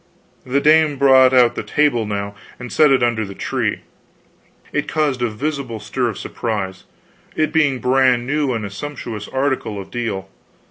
The dame brought out the table now, and set it under the tree. It caused a visible stir of surprise, it being brand new and a sumptuous article of deal.